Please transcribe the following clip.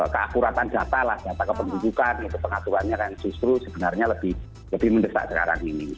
keakuratan jatah lah jatah kependudukan itu pengatuannya kan justru sebenarnya lebih lebih mendesak sekarang ini